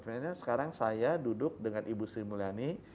sebenarnya sekarang saya duduk dengan ibu sri mulyani